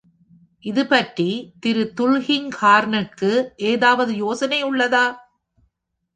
இது பற்றி, திரு. துல்கிங்ஹார்னுக்கு ஏதாவது யோசனை உள்ளதா?